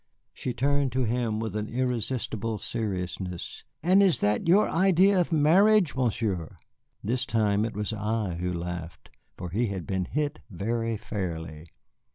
She turned to him with an irresistible seriousness. "And is that your idea of marriage, Monsieur?" This time it was I who laughed, for he had been hit very fairly.